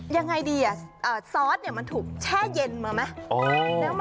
ยังไงดีซอสมันถูกแช่เย็นมาไหม